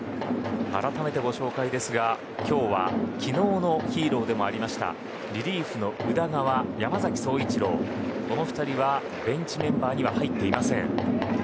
改めて、ご紹介ですが今日は昨日のヒーローでもあったリリーフの宇田川と山崎颯一郎の２人はベンチメンバーに入っていません。